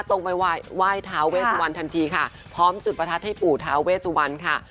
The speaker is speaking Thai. ตรงไปว่ายว่ายท้าเวสวรรค์ทันทีค่ะพร้อมจุดประทัดให้ปู่ท้าเวสวรรค์ค่ะ